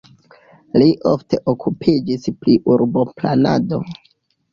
Li ofte okupiĝis pri urboplanado.